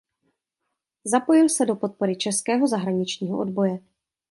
Zapojil se do podpory českého zahraničního odboje.